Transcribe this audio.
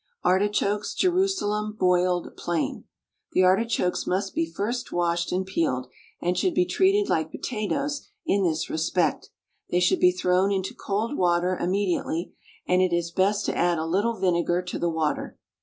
ARTICHOKES, JERUSALEM, BOILED, PLAIN. The artichokes must be first washed and peeled, and should be treated like potatoes in this respect. They should be thrown into cold water immediately, and it is best to add a little vinegar to the water.